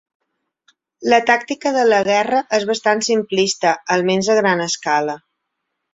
La tàctica de la guerra és bastant simplista, almenys a gran escala.